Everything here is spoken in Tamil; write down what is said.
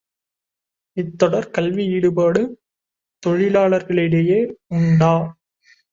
இத்தொடர் கல்வி ஈடுபாடு, தொழிலாளர்களிடையே உண்டா?